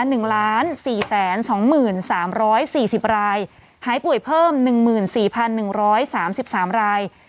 หนึ่งล้านสี่แสนสองหมื่นสามร้อยสี่สิบรายหายป่วยเพิ่มหนึ่งหมื่นสี่พันหนึ่งร้อยสามสิบสามราย